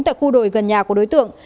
tại khu đồi gần nhà của đối tượng